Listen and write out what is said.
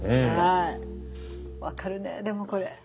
分かるねでもこれ。